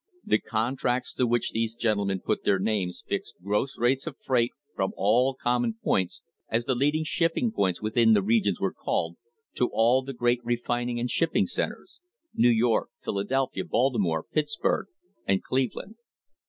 The contracts to which these gentlemen put their names fixed gross rates of freight from all common points, as the leading shipping points within the Oil Regions were called, to all the great refining and shipping centres — New York, Phila delphia, Baltimore, Pittsburg and Cleveland.